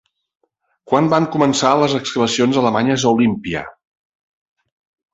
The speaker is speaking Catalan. Quan van començar les excavacions alemanyes a Olímpia?